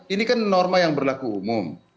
ini kan norma yang berlaku umum